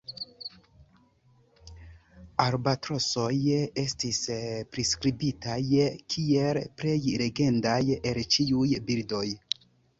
Albatrosoj estis priskribitaj kiel "plej legendaj el ĉiuj birdoj".